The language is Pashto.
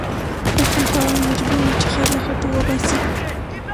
د خره خاوند مجبور و چې خر له خټو وباسي